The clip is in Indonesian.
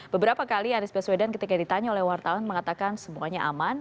beberapa kali anies baswedan ketika ditanya oleh wartawan mengatakan semuanya aman